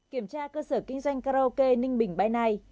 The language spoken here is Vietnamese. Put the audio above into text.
kiểm tra cơ sở kinh doanh karaoke ninh bình bãi nay